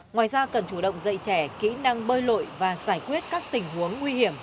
ngoài ra cần chủ động dạy trẻ kỹ năng bơi lội và giải quyết các tình huống nguy hiểm